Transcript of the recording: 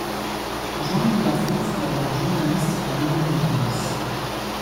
Jean-Loup Lafont fut d'abord journaliste à l'Union de Reims.